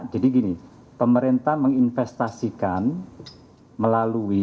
jadi gini pemerintah menginvestasikan melalui